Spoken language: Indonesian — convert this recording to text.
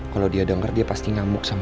kalau dia dengar dia pasti ngemuk sama gue